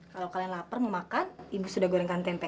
kalau kalian lapar mau makan ibu sudah gorengkan tempe